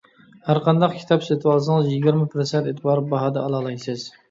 ھەرقانداق كىتاب سېتىۋالسىڭىز، يىگىرمە پىرسەنت ئېتىبار باھادا ئالالايسىز.